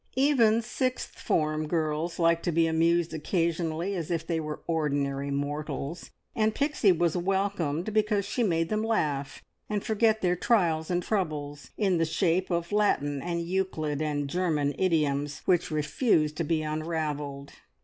Even sixth form girls like to be amused occasionally as if they were ordinary mortals, and Pixie was welcomed because she made them laugh and forget their trials and troubles, in the shape of Latin and Euclid and German idioms which refused to be unravelled.